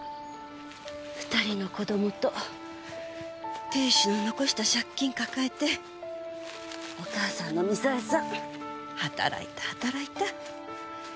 ２人の子どもと亭主の残した借金抱えてお母さんの美佐枝さん働いた働いた。